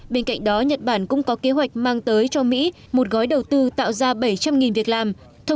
bên cạnh đó nhật bản cũng có kế hoạch mang tới cho mỹ một gói đầu tư tạo ra bảy trăm linh việc làm